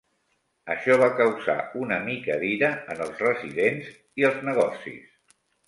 Això va causar una mica d'ira en els residents i els negocis.